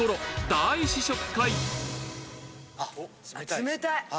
冷たい！